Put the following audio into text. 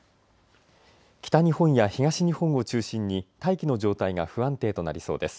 北日本や東日本を中心に大気の状態が不安定となりそうです。